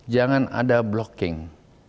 jangan ada blocking